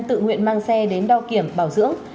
tự nguyện mang xe đến đo kiểm bảo dưỡng